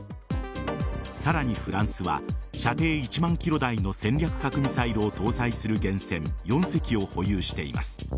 さらにフランスは射程１万ｋｍ台の戦略核ミサイルを搭載する原潜４隻を保有しています。